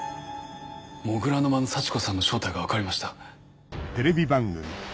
土竜の間の幸子さんの正体が分かりました。